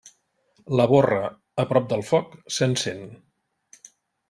La borra a prop del foc s'encén.